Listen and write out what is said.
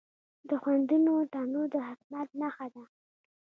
د خوندونو تنوع د حکمت نښه ده.